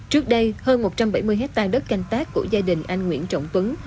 trước đây hơn một trăm bảy mươi hectare đất canh tác của gia đình anh nguyễn trọng tuấn